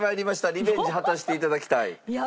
リベンジ果たしていただきたい。